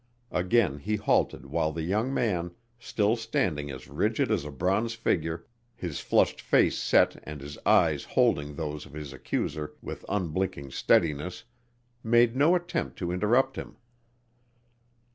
Again he halted while the young man, still standing as rigid as a bronze figure, his flushed face set and his eyes holding those of his accuser with unblinking steadiness, made no attempt to interrupt him.